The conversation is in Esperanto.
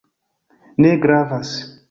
Ne gravas